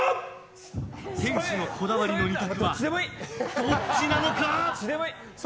店主のこだわりはどっちなのか。